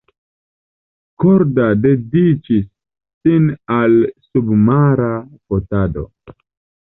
Korda dediĉis sin al submara fotado.